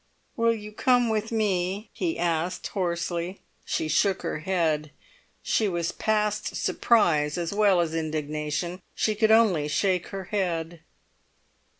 "Will you come with me?" he asked hoarsely. She shook her head; she was past surprise as well as indignation; she could only shake her head.